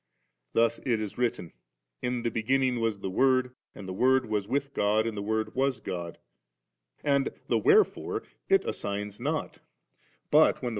Thus it is written, ' In the begin ning was the Word, and the Word was with Ood, and the Word was God^;' and the wherefore it assigns not 7; but when *the sPft.